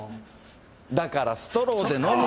だからストローで飲む？